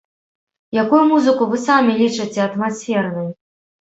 Якую музыку вы самі лічыце атмасфернай?